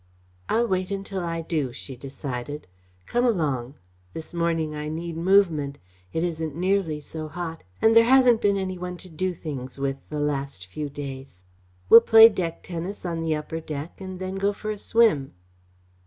"I'll wait until I do," she decided. "Come along. This morning I need movement. It isn't nearly so hot, and there hasn't been any one to do things with the last few days. We'll play deck tennis on the upper deck, and then go for a swim."